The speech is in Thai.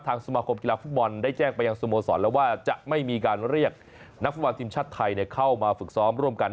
สมาคมกีฬาฟุตบอลได้แจ้งไปยังสโมสรแล้วว่าจะไม่มีการเรียกนักฟุตบอลทีมชาติไทยเข้ามาฝึกซ้อมร่วมกัน